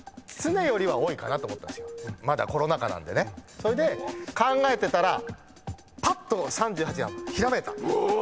それで考えてたらぱっと３８がひらめいた。